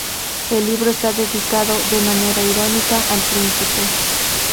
El libro está dedicado, de manera irónica, al príncipe.